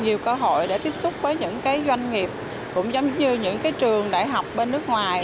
giúp đỡ cho chúng tôi có nhiều cơ hội để tiếp xúc với những doanh nghiệp cũng giống như những trường đại học bên nước ngoài